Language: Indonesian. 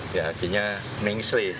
ya akhirnya mingsli